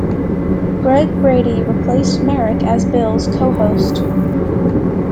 Greg Brady replaced Marek as Bill's co-host.